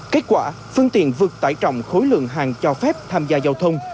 kết quả phương tiện vượt tải trọng khối lượng hàng cho phép tham gia giao thông